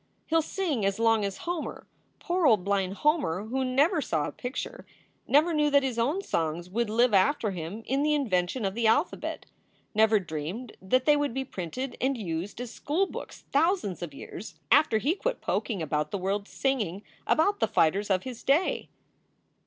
He ll sing as long as Homer poor old blind Homer, who never saw a picture, never knew that his own songs would live after him in the invention of the alphabet, never dreamed that they would be printed and used as schoolbooks thou sands of years after he quit poking about the world singing about the fighters of his day.